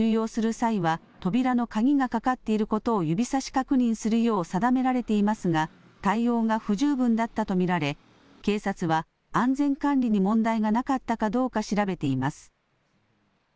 際は扉の鍵がかかっていることを指さし確認するよう定められていますが対応が不十分だったと見られ警察は安全管理に問題がなかったかどうか調べています。